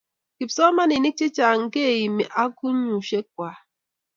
kipsomaninik chechang keimi akungushek kuay